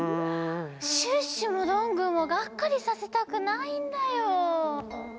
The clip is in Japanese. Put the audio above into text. シュッシュもどんぐーもガッカリさせたくないんだよ。